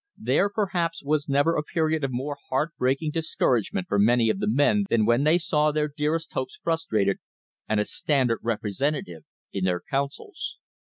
There perhaps was never a period of more heart breaking discouragement for many of the men than when they saw their dearest hopes frustrated, and a Standard representative in their councils.